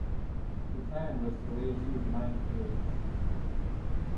The plan was to lay two minefields.